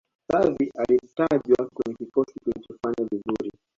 xavi alitajwa kwenye kikosi kilichofanya vizuri